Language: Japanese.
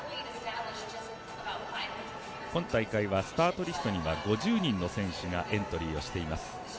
今大会はスタートリストには５０人の選手がエントリーしています。